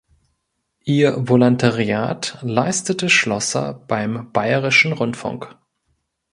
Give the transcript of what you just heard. Ihr Volontariat leistete Schlosser beim Bayerischen Rundfunk.